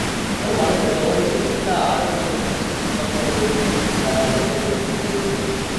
পরে মানুষের ধর্মবিষয়ক চিন্তা আরও বিকাশপ্রাপ্ত হইলে নানা জিজ্ঞাসা উপস্থিত হইল।